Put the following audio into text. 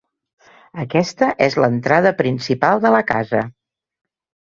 Aquesta és l'entrada principal de la casa.